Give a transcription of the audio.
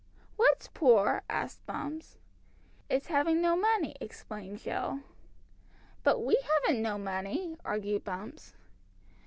"What's poor?" asked Bumps. "It's having no money," explained Jill. "But we haven't no money," argued Bumps.